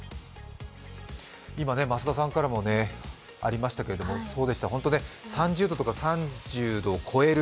今、増田さんからもありましたけど、３０度とか３０度を超える